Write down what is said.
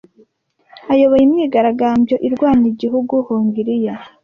ayoboye imyigaragambyo irwanya igihugu Hongiriya